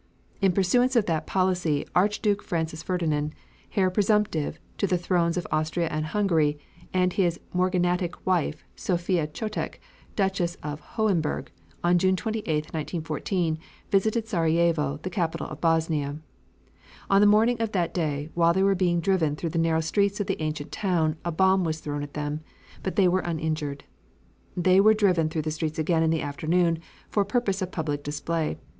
In pursuance of that policy, Archduke Francis Ferdinand, heir presumptive to the thrones of Austria and Hungary, and his morganatic wife, Sophia Chotek, Duchess of Hohenberg, on June 28, 1914, visited Sarajevo, the capital of Bosnia. On the morning of that day, while they were being driven through the narrow streets of the ancient town, a bomb was thrown at them, but they were uninjured. They were driven through the streets again in the afternoon, for purpose of public display.